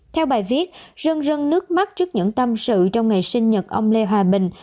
theo bài viết rừng rừng nước mắt trước những tâm sự trong ngày sinh nhật ông lê hòa bình